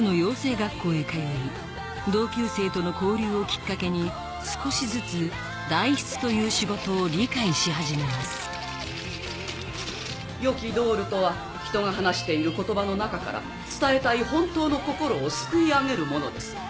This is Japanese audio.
学校へ通い同級生との交流をきっかけに少しずつ代筆という仕事を理解し始めます良きドールとは人が話している言葉の中から伝えたい本当の心をすくい上げるものです。